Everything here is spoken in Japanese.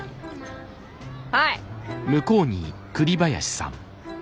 はい！